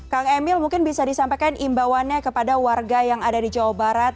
kang emil mungkin bisa disampaikan imbauannya kepada warga yang ada di jawa barat